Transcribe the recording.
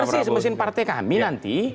jadi itu harus bersih mesin partai kami nanti